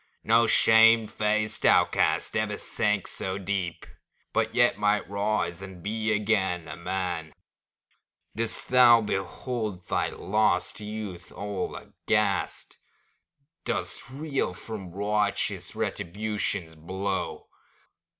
No shame faced outcast ever sank so deep, But yet might rise and be again a man ! Dost thou behold thy lost youth all aghast? Dost reel from righteous Retribution's blow?